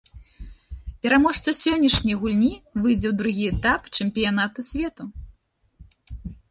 Пераможца сённяшняй гульні выйдзе ў другі этап чэмпіянату свету.